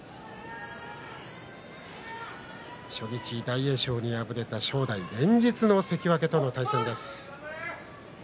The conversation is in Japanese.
初日、大栄翔に敗れた正代連日の関脇との対戦。